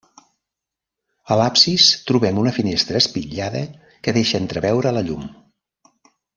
A l'absis trobem una finestra espitllada que deixa entreveure la llum.